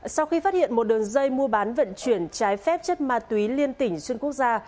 sau khi phát hiện một đường dây mua bán vận chuyển trái phép chất ma túy liên tỉnh xuyên quốc gia